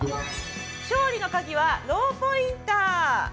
勝利のカギはローポインター。